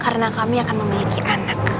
karena kami akan memiliki anak